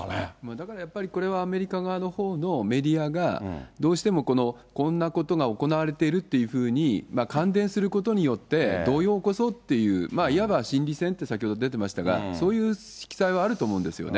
だからやっぱり、これはアメリカ側のほうのメディアが、どうしても、こんなことが行われているっていうふうにかんでんすることによって、動揺を起こそうという、いわば心理戦って、先ほど出てましたが、そういう色彩はあると思うんですよね。